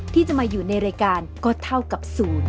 ที่จะมาอยู่ในรายการก็เท่ากับศูนย์